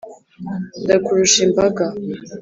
ntakurusha imbaga,